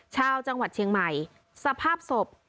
ชาวจังหวัดเชียงใหม่สภาพศพ